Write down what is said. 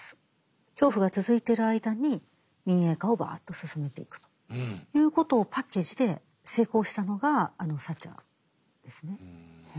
恐怖が続いてる間に民営化をバーッと進めていくということをパッケージで成功したのがあのサッチャーですね。